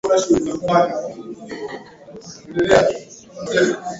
kwenye mlipuko ulitokea kwenye Ubalozi wao mwaka elfumoja miatisa themanini na bnane